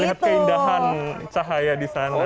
melihat keindahan cahaya di sana